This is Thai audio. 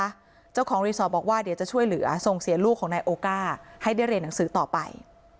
เจ้าของรีสอร์ทบอกว่าเดี๋ยวจะช่วยเหลือส่งเสียลูกของนายโอก้าให้ได้เรียนหนังสือต่อไป